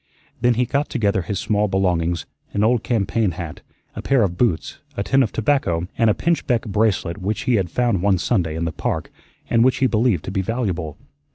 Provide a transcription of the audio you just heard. Then he got together his small belongings an old campaign hat, a pair of boots, a tin of tobacco, and a pinchbeck bracelet which he had found one Sunday in the Park, and which he believed to be valuable.